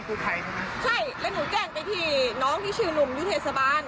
เขาบอกว่านอนหันหัวออกเส้นขาว